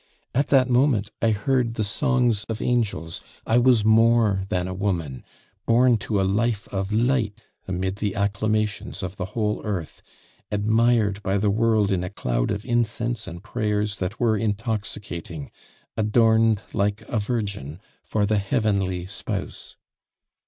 At that moment I heard the songs of angels, I was more than a woman, born to a life of light amid the acclamations of the whole earth, admired by the world in a cloud of incense and prayers that were intoxicating, adorned like a virgin for the Heavenly Spouse.